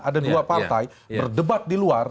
ada dua partai berdebat di luar